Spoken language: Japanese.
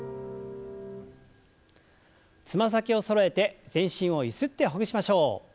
つま先をそろえて全身をゆすってほぐしましょう。